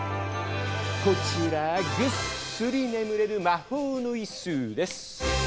こちらぐっすり眠れる魔法の椅子です。